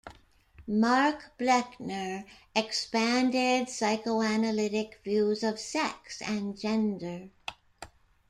Mark Blechner expanded psychoanalytic views of sex and gender.